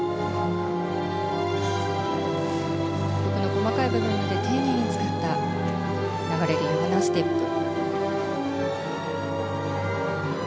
細かい部分から丁寧に使った流れるようなステップ。